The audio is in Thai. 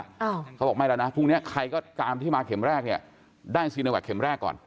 เขาบอกไม่แล้วนะพรุ่งเนี้ยใครก็ตามที่มาเข็มแรกเนี่ยได้ซีโนแวคเข็มแรกก่อน